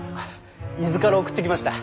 伊豆から送ってきました。